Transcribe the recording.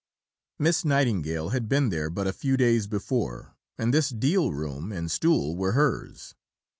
Miss Nightingale had been there but a few days before, and this deal room and stool were hers."